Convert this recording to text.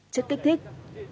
chất kích thích